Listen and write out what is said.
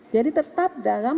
jadi tetap dalam